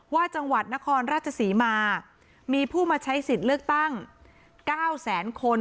จังหวัดนครราชศรีมามีผู้มาใช้สิทธิ์เลือกตั้ง๙แสนคน